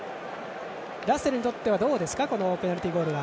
ラッセルにとっては、どうですかこのペナルティーゴールは。